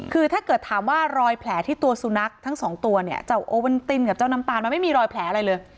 คือถ้าเกิดถามว่ารอยแผลที่ตัวสุนัขทั้งสองตัวเนี่ยเจ้าโอเวนตินกับเจ้าน้ำตาลมันไม่มีรอยแผลอะไรเลย